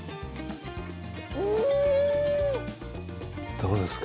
どうですか？